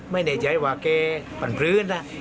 ไม่ในใจว่าเขาเป็นพลื้นนะ